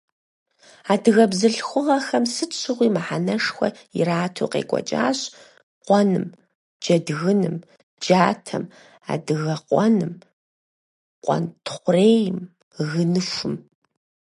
Адыгэ бзылъхугъэхэм сыт щыгъуи мыхьэнэшхуэ иратурэ къекӀуэкӀащ къуэным, джэдгыным, джатэм, адыгэкъуэным, къуэнтхъурейм, гыныхум.